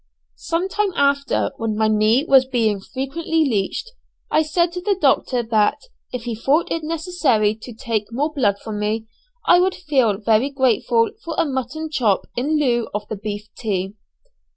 Some time after, when my knee was being frequently leeched, I said to the doctor that, if he thought it necessary to take more blood from me I would feel very grateful for a mutton chop in lieu of the beef tea.